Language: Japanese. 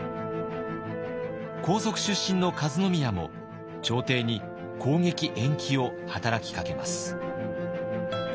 皇族出身の和宮も朝廷に攻撃延期を働きかけます。